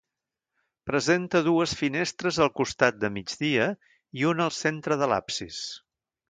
Presenta dues finestres al costat de migdia i una al centre de l'absis.